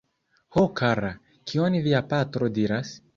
Ho kara, kion via patro diras?